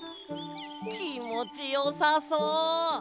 きもちよさそう。